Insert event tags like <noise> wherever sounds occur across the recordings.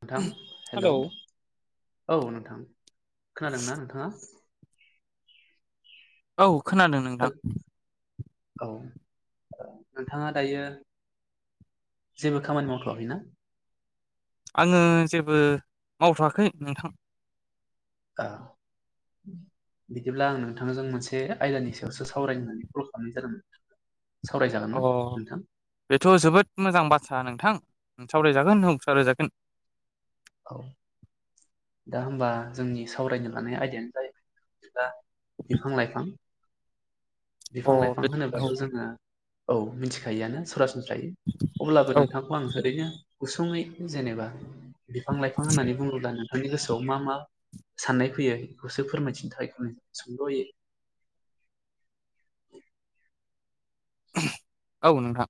नोंथां हेलौ औ नोंथां खोनादोंना नोंथाङा? औ खोनादों नोंथां। औ नोंथाङा दायो जेबो खामानि मावथवाखैना? आङो जेबो मावथवाखै नोंथां। ए बिदिब्ला आं नोंथांजों मोनसे आयदानि सायावसो सावराय होननानै कल खालामनाय जादोंमोन। सावरायजागोन अ ना नोंथां बेथ जोबोद मोजां बाथ्रा नोंथां। सावरायजागोन औ सावरायजागोन। औ दा होमबा जोंनि सावरायनो लानाय आयदायानो जाहैबाय बिफां लाइफां अ बिफां लाइफां बे औ होनोबाथ‌ जोङो औ मिथिखायोआनो सरासनस्रायै अब्लाबो औ नोंथांखौ आं ओरैनो गुसुङै जेनेबा बिफां लाइफां होननानै बुङोब्लानो नोंनि गोसोआव मा मा साननाय फैयो बेखौसो फोरमायथिनो थाखाय सोंल होयो <inaudible> औ नोंथां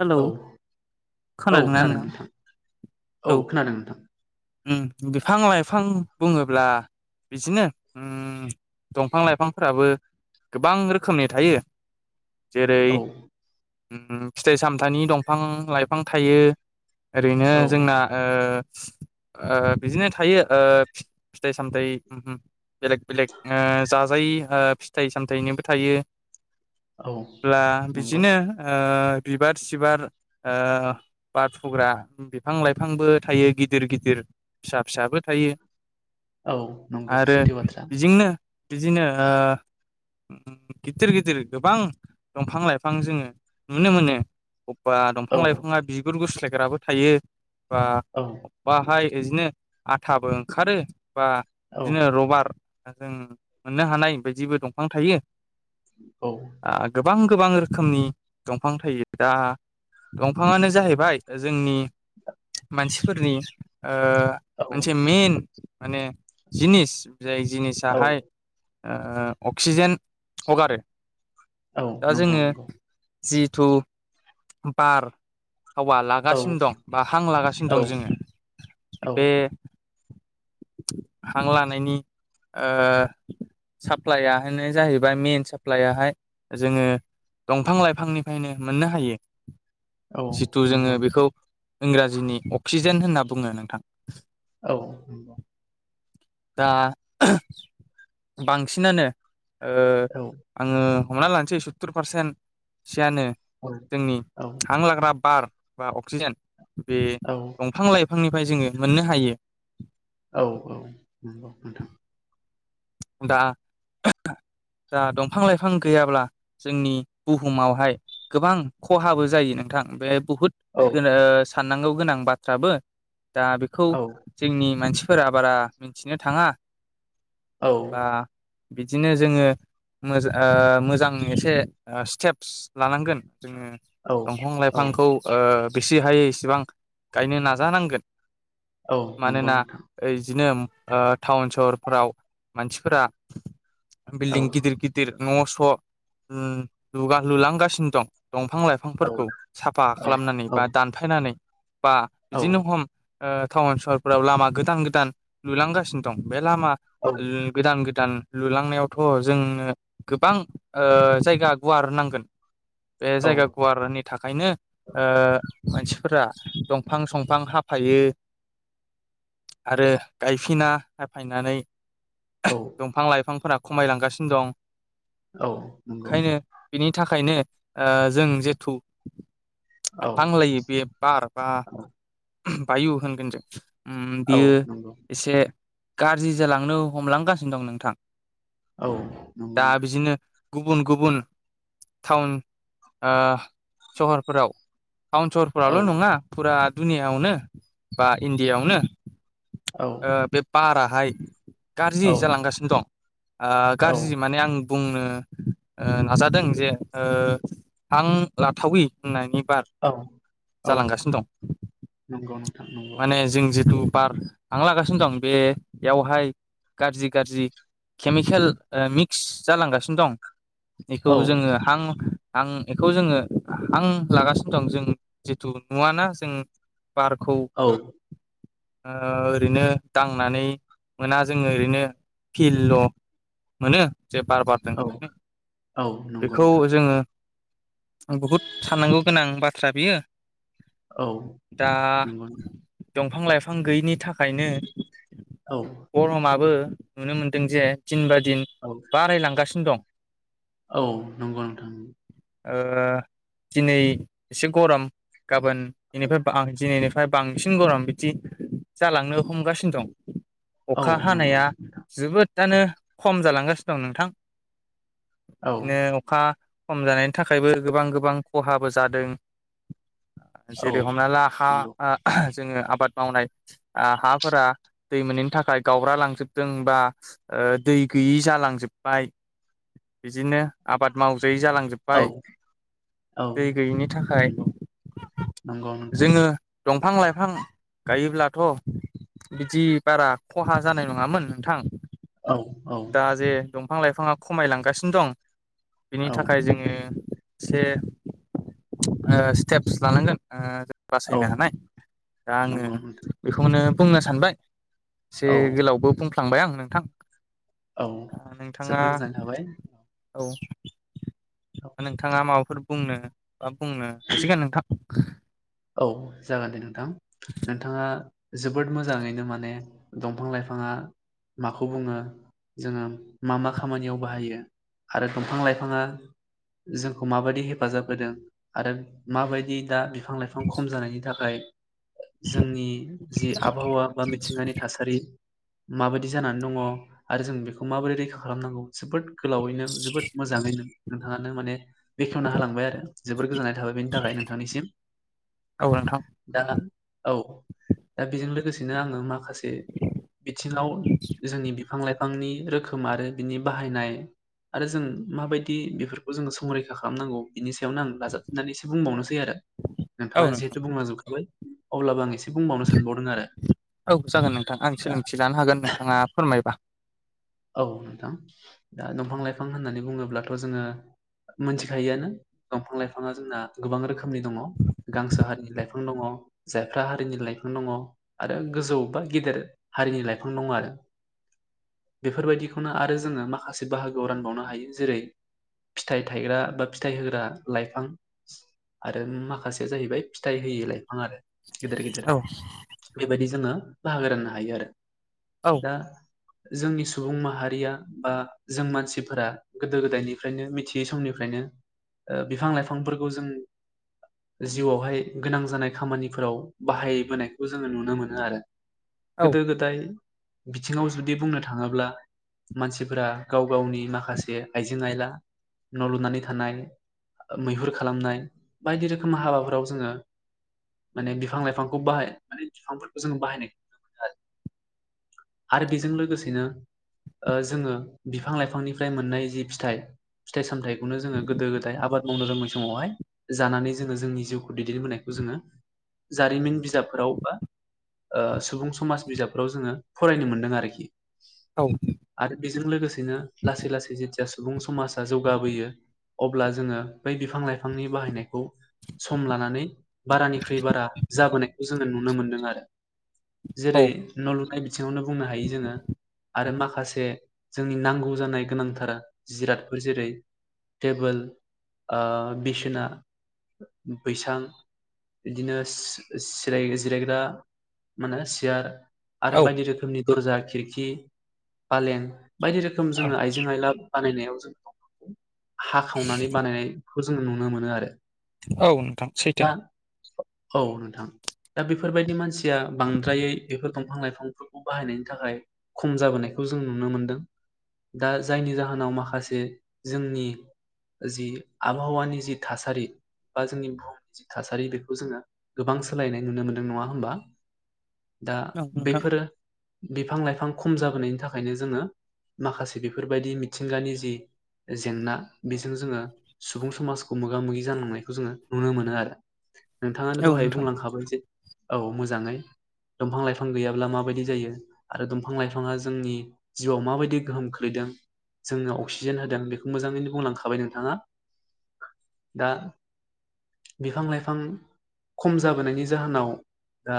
हेलौ औ औ खोनादोंना खोनादों नोंथां औ खोनादों नोंथां उम बिफां लाइफां बुङोब्ला बिदिनो उम दंफां लाइफांफोराबो गोबां रोखोमनि थायो जेरै औ फिथाइ सामथानि दंफां लाइफां थायो ओरैनो औ जोंना ओ ओ बिदिनो थायो ओ फिथाइ सामथाय बेलेग बेलेग ओ जाजायि फिथाइ सामथायाइनिबो थायो औ ब्ला नंगौ बिजिनो अ बिबार सिबार अ बार फुग्रा बिफां लाइफांबो थायो गिदिर गिदिर फिसा फिसाबो थायो औ नंगौ आरो सैथो बाथ्रा बिजोंनो बिदिनो अ गिदिर गिदिर गोबां दंफां लाइफां जोङो नुनोबो। मोनो बा औ दंफां लाइफाङा बिगुर गुस्लायग्राबो थायो बा औ यजना बाहाय बिदिनो आथाबो ओंखारो बा औ बिदिनो रबार जों मोननो हानाय बायदिबो दंफां थायो औ आ गोब गोबां गोबां रोखोमनि दंफां थायो दा दंफाङानो जाहैबाय जोंनि मानसिफोरनि अ औ मोनसे मइेन माने जिनिस जाय औ जिनिसाहाय ओ अक्सिजेन हगारो औ दा नंगौ जोङो नंगौ जिथु बार हावा औ लागासिनो दं बा हां लागासिनो दं औ जोङो औ बे <unintelligible> हां लानायनि अ साप्लाइआाहनो जाहैबाय मइेन साप्लइयाहाय जोङो दंफां लाइफांनिफ्रायनो मोननो हायो औ जिथु जोङो नंगौ नोंथां बेखौ इंराजिनि अक्सिजेन जेन होनना बुङो नोंथां औ दा बांसिनानो ओ औ आङो हमना लानोसै सु्तुर पारसेन्ट सियानो जोंनि हां लाग्रा बार बा अक्सिजेन बे औ दंफां लाइ बिफांनिफ्राय जोङो मोननो हायो औ औ नंगौ नोंथां दा <unintelligible> दा दंफां लाइफां गैयाब्ला जोंनि बुहुमावहाय गोबां खहाबो जायो नों थां बे बुहुद औ गो अ साननांगौ गोनां बाथ्राबो दा बेखौ औ जोंनि मानसि फोरा बारा मिथिनो थाङा औ बा बिदिनो जोङो मोज मोजां एसे स्टेप्स लानांगोन जोङो औ दंफां लाइफांखौ अ बेसे हायै इसेबां गायनो नाजानांगोन। नंगौ मानोना नोंथां ओइदिनो ओ टाउन सहरफोराव मानसिफोरा औ बिल्दिं गिदिर औ गिदिर न' थ' ओम लुगा लुलांगासिनो दं। दंफां लाइफांफोरखौ साफा खालामनानै औ बा दानफायनानै बा बिदिनो हम ओ टाउन सहरफोराव लामा गोदान गोदान लुलांगासिनो दं बे लामा लु औ गोदान गोदान लुलांनायावथ' जोंनो गोबां ओ जायगा गुवार नांगोन। बेे जायगा गुवारनि थाखायनो ओ मानसिफोरा दंफां संफां हाफायो आरो गायफिना हाफायनानै औ दंफां लाइफांफोरा खमायलांगासिनो दं। औ नंगौ ओंखायनो बिनि थाखायनो ओ जों जेथु औ हांलायो बे बार बा औ बायु होनगोन जों उम औ बियो नंगौ एसे गाज्रि जालांनो हमलांगासिनो दं नोंथां। औ नंगौ दा नोंथां बिदिनो गुबुन गुबुन टाउन ओ सहरफोराव औ टाउनसरफोरावल' नङा फुरा दुनियायावनो बा इण्डियाायावनो औ ओ बे बाराहाय गाज्रि औ जालांगासिनो दं ओ औ गाज्रि माने आं बुंनो ओ नाजादों जे ओ हां लाथावि होननानै बार औ औ जालांगासिनो दं।। नंगौ नोंथां नंगौ। माने जों बार हां लागासिनो दं बेयावहाय गाज्रि गाज्रि केमिकेल मिक्स जालांगासिनो दं बेखौ औ जोङो हां आं बेखौ जोङो आं लागासिनो दं जों जिथु नुवाना जों बारखौ औ ओ ओरैनो दांनानै मोना जोङो ओरैनो फिलल' मोनो जे बार बारदों औ होननानै औ नंगौ बेखौ नोंथां जोङो बहुद साननांगौ गोनां बाथ्रा बियो औ नंगौ। बिफां लाइफां गैयिनि थाखायनो नोंथां औ गरमाबो नुनो मोनदों जे दिनबा दिन औ बारायलांगासिनो दं। औ नंगौ नोंथां। ओ दिनै एसे गरम गाबोन औ इनिफ्राय <unintelligible> फाय बांसिन गरम बिदि जालांनो हमगासिनो दं। औ अखा नंगौ हानाया नोंथां जोबोदानो खम जालांगासिनो दं नोंथां। औ बिदिनो अखा खम जानायनि थाखायबो गोबां गोबां खहाबो जादों। औ जेरै हमना ला हा नंगौ जोङो आबाद मावनाय हाफोरा दै मोनैनि थाखाय गावब्रालांजोबदों बा ओ दै गैयि जालांजोब्बाय बिदिनो आबाद माव जै औ जालांजोब्बाय औ दै गैयैनि थाखाय नंगौ नंगौ नोंथां। जोङो दंफां लाइफां गायोब्लाथ' बिदि बारा खहा जानाय नङामोन नोंथां। औ औ दा जे दंफां लाइफाङा खमायलांगासिनो दं बिनि औ थाखाय जोङो। से ओ स्टेप्स लानांगोन ओ औ बासायनो हानाय दा आङो नंगौ नोंथां बेखौनो बुंनो सानबाय। एसे औ गोलावबो बुंफ्लांबाय आं नोंथां। औ नोंथाङा जोबोर गोजोननाय थाबाय औ। नोंथाङा माबाफोर बुंनो बा बुंनो हासिगोन नोंथां। औ जागोन दे नोंथां नोंथाङा जोबोद मोजाङैनो माने दंफां लाइ फाङा माखौ बुङो जोङो मा मा खामानियाव बाहायो। आरो दंफां लाइफाङा जोंखौ माबायदि हेफाजाब होदों आरो माबायदि दा बिफां लाइफां खम जानायनि थाखाय जोंनि जि आबहावा बा मिथिंगानि थासारि माबायदि जानानै दङ आरो जों बेखौ माबोरै रैखा खालामनांगौ जोबोद। गोलावैनो जोबोद मोजाङैनो नोंथाङानो माने बेखेवना होलांबाय आरो जोबोद गोजोननाय थाबाय बिनि थाखाय। नोंथांनिसिम। औ नोंथां। दा औ दा बेजों लोगोसेनो आङो माखासे बिथिङाव जोंनि बिफां लाइफांनि रोखोम आरो बिनि बाहायनाय आरो जों माबायदि बेफोरखौ जोङो संरैखा खालामनांगौ बेनि सायाव यावनो आं दाजाबनानै एसे बुंबावनोसै आरो औ नोंथाङा नोंथां जिहेथु बुंलांजोबखाबाय अब्लाबो आं एसे बुंबावनो सानबावदों आरो औ जागोन नोंथां आं दा सोलोंथि लानो हागोन नोंथाङा फोरमायबा। औ नोंथां दा दंफां लाइफां होननानै बुङोब्लाथ जोङो मोनथिखायोआनो दंफां लाइफाङा जोंना गोबां रोखोमनि दङ। गांसो हारिनि लाइफां दङ जायफ्रा हारिनि लाइफां दङ आरो गोजौ बा गेदेर। हारिनि लाइफां दं आरो। बेफोरबायदिखौनो आरो जोङो माखासे बाहागोआव रानबावनो हायो जेरै फिथाइ थायग्रा बा फिथाइ होग्रा लाइफां आरो माखासे बे जाहैबाय फिथाइ होयै लाइफां आरो गिदिर गिदिर औ बेबायदि जोङो बाहागो राननो हायो आरो औ दा जोंनि सुबुं माहारिया बा जों मानसिफोरा गोदो गोदायनिफ्रायनो मिथियै समनिफ्राय यनो बिफां लाइफांफोरखौ जों जिउआवहाय गोनां जानाय खामानिफोराव बाहायबोनायखौ जोङो नुनो मोनो आरो। औ गोदो गोदाय बिथिङाव जुदि बुंनो थाङोब्ला मानसिफोरा गाव गावनि माखासे आइजें आयला न लुनानै थानाय। मैहुर खालामनाय बायदि रोखोम हाबाफोराव जोङो माने बिफां लाइफांखौ बाहाय माने बिफांफोरखौ जो बाहायनायखौ नुनो मोनो आरो। आरो बेजों लोगोसेनो ओ जोङो बिफां लाइफांनिफ्राय मोननाय जि फिथाइ फिथाइ सामथायखौनो जोङो गोदो गोदाय आबाद मावनो रोंङै समावहाय जानानै जोङो जोंनि जिउखौ दैदेनबोनायखौ जोङो जारिमिन बिजाबफोराव बा ओ सुबुं समाज बिजाबफोराव जोङो फरायनो मोनदों आरोखि आरो बेजों लोगोसेनो लासै लासै जे सुबुं समाजा जौगाबोयो अब्ला जोङो बै बिफां लाइफांनि बाहायनायखौ सम लानानै बारानिख्रुइ बारा जाबोनायखौ जोङो नुनो मोनदों आरो। औ जेरै न लुनाय बिथिङावनो बुंनो हायो जोङो आरो माखा माखासे जोंनि नांगौ जानाय गोनांथार जिरादफोर जेरै टेबोल ओ बिसोना बैसां बिदिनो सि सिय जिरायग्रा माने सियार औ बायदि रोखोमनि दरजा खिरखि फालें बायदि रोखोम औ जोङो आइजें आयला। बानायनायाव जोंफोरखौ हाखावनानै बानायनायखौ जों नुनो मोनो आरो। औ नोंथां दा सैथो। औ नोंथां दा बेफोरबायदि मानसिया बांद्रायै बेफोर दंफां लाइफां फांफोरखौ बाहायनायनि थाखाय खम जाबोनायखौ जों नुनो मोनदों। दा जायनि जाहोनाव माखासे जोंनि जि आबहावानि जि थासारि बा जोंनि बुहुमनि थासारि बेखौ जोङो गोबां सोलायनाय नुनो मोन्दों नङा होमबा दा औ नोंथां बेफोरो बिफां- लाइफां खम जाबोनायनि थाखायनो जोङो माखासे बेफोरबायदि मिथिंगानि जि जेंना बेजों जोङो सुबुं समाजखौ मोगा -मोगि जानांनायखौ जोङो नुनो मोनो आरो नोंथाङानो औ दहाय नोंथां बुंलांखाबाय जे औ मोजाङै दंफां लाइफ फां गैयाब्ला माबायदि जायो आरो दंफां -लाइफाङा जोंनि जिउआव माबायदि गोहोम खोलैदों जोंनो अक्सिजेन होदों बेखौ मोजाङैनो बुंलांखाबाय नोंथाङा दा बिफां- लाइफां खम जाबोनायनि जाहोनाव दा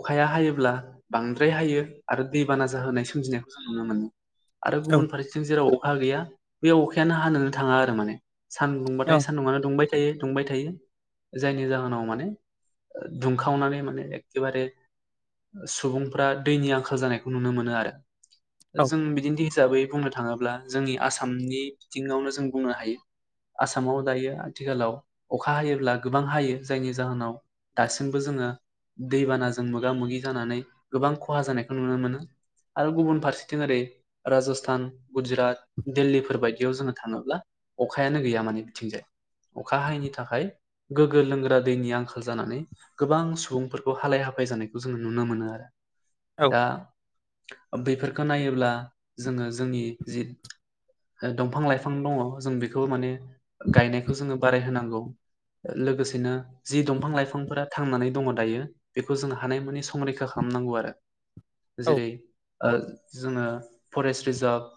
अखाया हायो ब्ला बांद्राय हायो आरो दैबाना जाहोनाय सोमजिनायखौ जों नुनो मोनो आरो औ गुबुन फारसेथिं जेराव अखा गैया बे अखायानो हानोनो थाङा आरो माने औ सानदुंबाथाय सान्दुंङानो दुंबाय थायो दुंबाय थायो जायनि जाहोनाव माने ओ दुंखावनानै माने एक्केबारे सुबुंफ्रा दैनि आंखाल जानायखौ नुनो मोनो औ आरो जों बिदिनो दिज हिसाबै बुंनो थाङोब्ला जोंनि आसामनि बिथिङावनो जों बुंनो हायो आसामाव दायो आथिखालाव अखा हायोब्ला गोबां हायो जायनि जाहोनाव दासिमबो जोङो दैबानाजों मोगा-मोगि जानानै गोबां खहा जानायखौ नुनो मोनो। आरो गुबुन फारसेथिं ओरै राजस्थान, गुजरात, दिल्लीफोर बायदियाव जोङो थाङोब्ला अखायानो गैया माने बिथिंजाय अखा हायैनि थाखाय गोग्गो लोंग्रा दैनि आंखाल जानानै गोबां सुबुंफोरखौ हालाय-हाफाय जानायखौ जों नुनो मोनो आरो। औ दा बेफोरखो नायोब्ला जोङो जोंनि जि ओ दंफां-लाइफां दङ' जों बिखौ माने गायनायखौ जोङो बारायहोनांगौ। ओ लोगोसेनो जि दंफां-लाइफांफोरा थांनानै दङ' दायो बेखौ जोंहा हानायमानि संरैखा खालामनांगौ आरो। जेरै ओ जोङो फरेस्ट रिजार्भ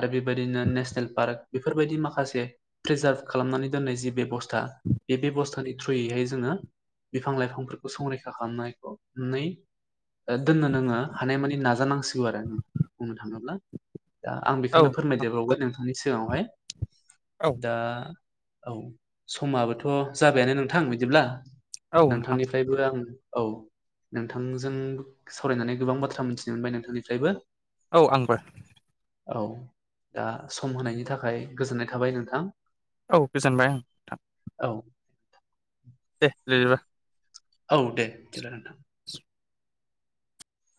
आरो बेबायदिनो नेशनेल पार्क बेफोरबायदि माखासे प्रिजार्भ खालामनानै दोननाय जि बेबस्था बे बेब'स्थानि थ्रुयैहाय जोङो बिफां-लाइफांफोरखौ संरैखा खालामनायखौ नै ओ दोननो नोङो हानायमानि नाजानांसिगौ आरो बुंनो थाङोब्ला दा आं औ बेखोनो नोंथां फोरमायदेरबावगोन नोंथांनि सिगाङावहाय औ दा औ समाबोथ' जाबायानो नोंथां बिदिब्ला औ नोंथां नोंथांनिफ्रायबो आं औ नोंथांजों सावरायनानै गोबां बाथ्रा मिनथिनो मोनबाय नोंथांनिफ्रायबो औ आंबो औ दा सम होनायनि थाखाय गोजोननाय थाबाय नोंथां। औ गोजोनबाय आं नोंथां। औ दे <unintelligible> औ दे बिदिब्ला नोंथां